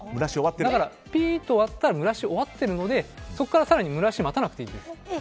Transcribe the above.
だからピーと鳴ったら蒸らし終わっているのでそこから更に蒸らし待たなくていいです。